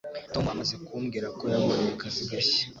Tom amaze kumbwira ko yabonye akazi gashya.